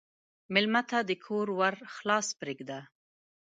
مېلمه ته د کور ور خلاص پرېږده.